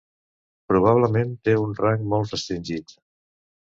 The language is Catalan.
Probablement té un rang molt restringit.